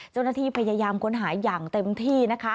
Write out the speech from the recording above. เจ้าหน้าที่พยายามค้นหาอย่างเต็มที่นะคะ